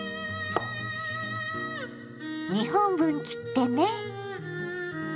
２本分切ってね。